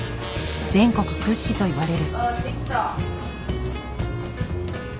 全国屈指といわれる。